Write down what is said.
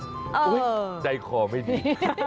อุ้ยใจคอไม่ดี